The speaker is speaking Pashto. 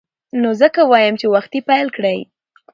نو ځکه وایم چې وختي پیل کړئ.